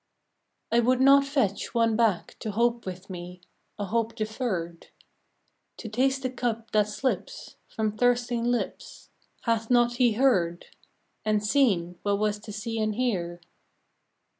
I would not fetch one back to hope with me A hope deferred, To taste the cup that slips From thirsting lips :— Hath he not heard And seen what was to see and hear.